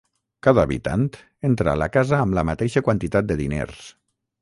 Cada habitant entra a la casa amb la mateixa quantitat de diners.